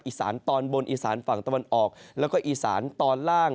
อีสานตอนบนอีสานฝั่งตะวันออกแล้วก็อีสานตอนล่าง